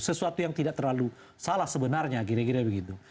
sesuatu yang tidak terlalu salah sebenarnya gira gira begitu